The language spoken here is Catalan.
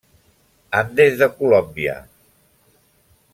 Andes de Colòmbia.